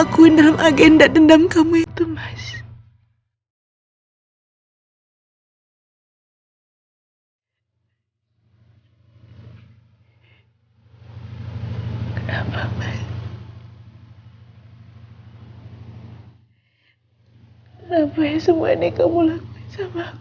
kenapa kamu harus seperti ini mas